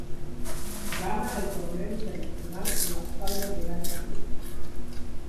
Gana el Torneo Internacional Las Palmas de Gran Canaria.